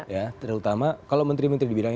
ya terutama kalau menteri menteri di bidang